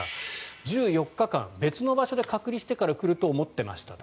１４日間、別の場所で隔離してから来ると思ってましたと。